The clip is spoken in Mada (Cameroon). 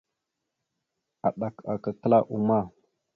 Aɗak aka kəla uma.